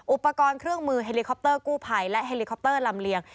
อุปกรณ์เครื่องมือเฮลิคอปเตอร์กู้ภัยและเฮลิคอปเตอร์ลำเลียง